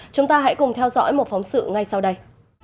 chúng ta hãy cùng theo dõi một phóng sự ngay sau đây